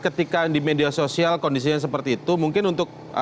ketika di media sosial kondisinya seperti itu mungkin untuk